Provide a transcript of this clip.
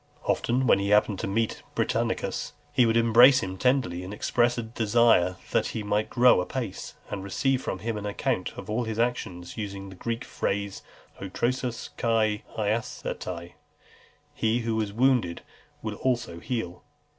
Often, when he happened to meet Britannicus, he would embrace him tenderly, and express a desire "that he might grow apace," and receive from him an account of all his actions: using the Greek phrase, "o trosas kai iasetai, He who has wounded will also heal."